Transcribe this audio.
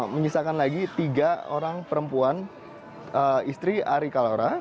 menyisakan lagi tiga orang perempuan istri ari kalora